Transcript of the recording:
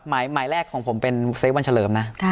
หมายแรกของผมเป็นเซฟวันเฉลิมนะ